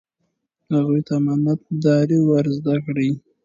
هغوی ته امانت داري ور زده کړئ.